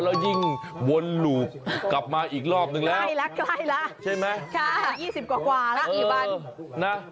แล้วยิ่งวนหลุกกลับมาอีกรอบหนึ่งแล้วใช่ละใช่ไหม